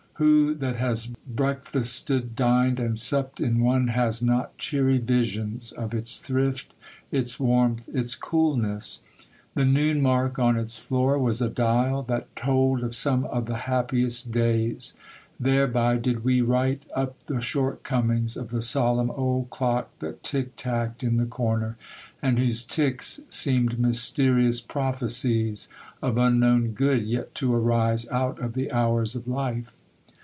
Who that has breakfasted, dined, and supped in one has not cheery visions of its thrift, its warmth, its coolness? The noon mark on its floor was a dial that told of some of the happiest days; thereby did we right up the shortcomings of the solemn old clock that tick tacked in the corner, and whose ticks seemed mysterious prophecies of unknown good yet to arise out of the hours of life.